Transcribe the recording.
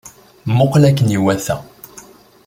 Muqqel akken iwata!